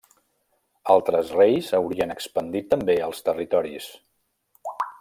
Altres reis haurien expandit també els territoris.